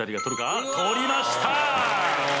取りました！